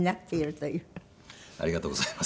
ありがとうございます。